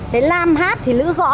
thế làm hát thì lữ gõ